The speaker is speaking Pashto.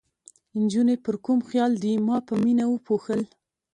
نجونې پر کوم خیال دي؟ ما په مینه وپوښتل.